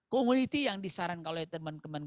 komuniti yang disarankan oleh teman teman